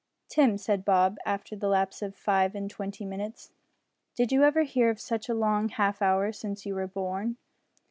"Tim," said Bob, after the lapse of five and twenty minutes, "did you ever hear of such a long half hour since you were born?"